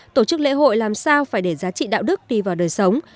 tổ chức lễ hội làm sao phải để giá trị đạo đức đi vào đời sống